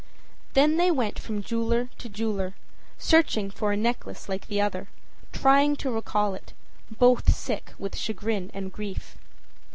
â Then they went from jeweler to jeweler, searching for a necklace like the other, trying to recall it, both sick with chagrin and grief.